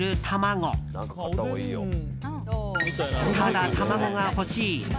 ただ、卵が欲しい。